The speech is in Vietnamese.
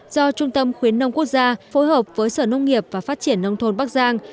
do trung tâm khuyến nông quốc gia phối hợp với sở nông nghiệp và phát triển nông thôn bắc giang